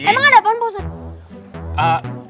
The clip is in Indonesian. emang ada apaan pak ustadz